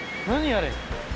あれ。